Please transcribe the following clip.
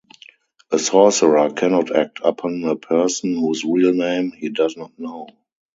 A sorcerer cannot act upon a person whose real name he does not know.